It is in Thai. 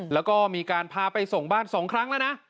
แล้วก็มีการพาไปส่งบ้าน๒ครั้งแล้วนะ